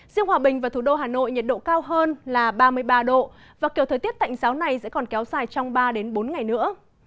riêng hòa bình và thủ đô hà nội nhiệt độ cao hơn là ba mươi ba độ và kiểu thời tiết tạnh giáo này sẽ còn kéo dài trong ba bốn ngày nữa